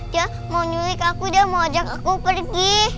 dia mau nyulik aku dia mau ajak aku pergi